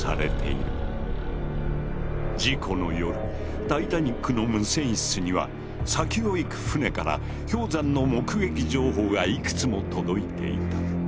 事故の夜タイタニックの無線室には先を行く船から氷山の目撃情報がいくつも届いていた。